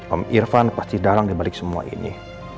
om irfan pasti dalang dibalik semua ini